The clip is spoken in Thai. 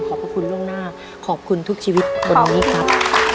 พระคุณล่วงหน้าขอบคุณทุกชีวิตวันนี้ครับ